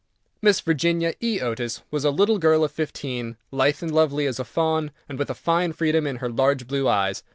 Miss Virginia E. Otis was a little girl of fifteen, lithe and lovely as a fawn, and with a fine freedom in her large blue eyes.